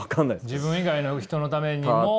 自分以外の人のためにも。